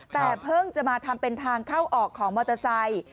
แต่เพิ่งจะมาทำเป็นทางเข้าออกของมอเตอร์ไซค์